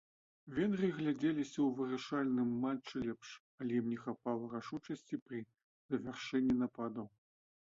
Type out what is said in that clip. Венгры глядзеліся ў вырашальным матчы лепш, але ім не хапала рашучасці пры завяршэнні нападаў.